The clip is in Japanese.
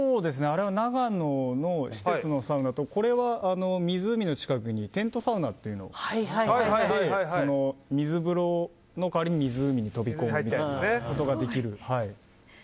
あれは長野の施設のサウナとこれは、湖の近くにテントサウナというのが立ってて水風呂の代わりに、湖に飛び込むみたいなことができる。